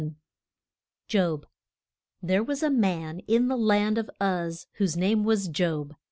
JOB. THERE was a man in the land of Uz whose name was Job.